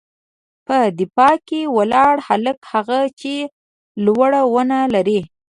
_په دفاع کې ولاړ هلک، هغه چې لوړه ونه لري.